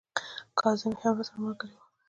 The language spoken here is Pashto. کاظم بې هم راسره ملګري ول.